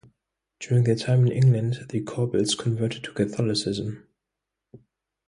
During their time in England the Korbels converted to Catholicism.